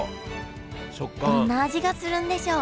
どんな味がするんでしょう？